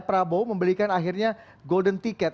prabowo memberikan akhirnya golden ticket